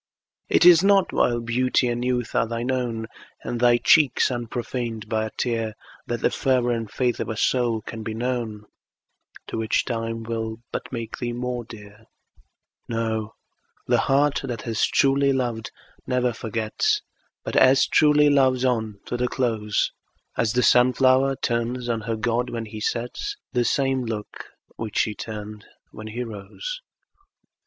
It is not while beauty and youth are thine own, And thy cheeks unprofaned by a tear, That the fervor and faith of a soul can be known, To which time will but make thee more dear; No, the heart that has truly loved never forgets, But as truly loves on to the close, As the sun flower turns on her god, when he sets, The same look which she turned when he rose.